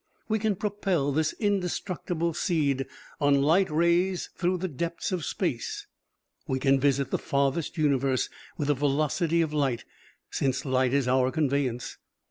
We can propel this indestructible seed on light rays through the depths of space. We can visit the farthest universe with the velocity of light, since light is our conveyance.